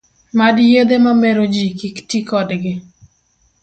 Mad yedhe mamero ji kik ti kodgi